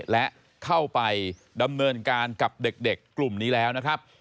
และเข้าไปดำเนินการกับเด็กกลุ่มนี้แล้วนะครับ